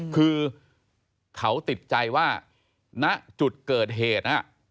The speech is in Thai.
คือเขาติดใจว่าณจุดเกิดเหตุ